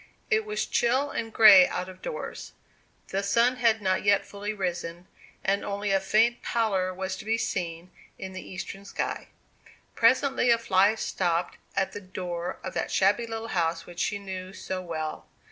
It was chill and grey out of doors. The sun had not yet fully risen, and only a faint pallor was to be seen in the eastern sky. Presently a fly stopped at the door of that shabby little house which she knew so well.